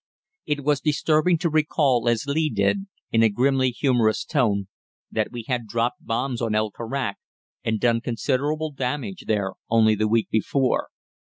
It was disturbing to recall, as Lee did, in a grimly humorous tone, that we had dropped bombs on El Karak and done considerable damage there only the week before.